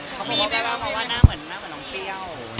ผมก็แปลว่าหน้าเหมือนน้องเปรี้ยว